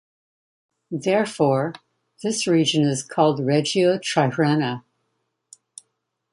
Therefore, this region is called "Regio TriRhena".